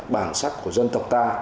bản sắc của dân tộc ta